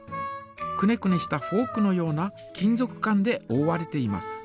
くねくねしたフォークのような金ぞく管でおおわれています。